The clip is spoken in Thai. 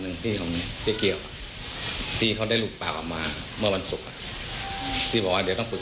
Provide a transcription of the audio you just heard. เพียงแต่ว่าเขาใช้ลักษณะคือให้เบี้ยมาเดินเมื่อเดินเกณฑ์